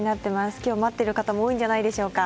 今日を待っている方も多いんじゃないでしょうか。